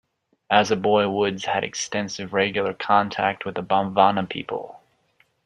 As a boy Woods had extensive regular contact with the Bomvana people.